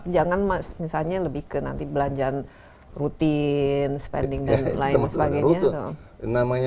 jangan misalnya lebih ke nanti belanjaan rutin spending dan lain sebagainya